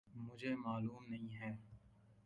مجھے معلوم نہیں ہے۔